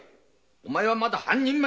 お前はまだ半人前。